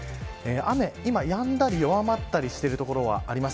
今はやんだり弱まったりしてる所があります。